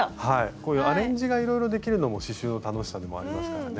こういうアレンジがいろいろできるのも刺しゅうの楽しさでもありますからね。